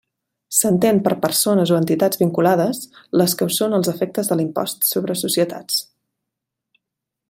S'entén per persones o entitats vinculades les que ho són als efectes de l'impost sobre societats.